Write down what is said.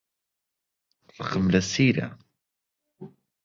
ڕقم لە سیرە.